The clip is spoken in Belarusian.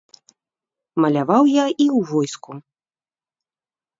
Маляваў я і ў войску.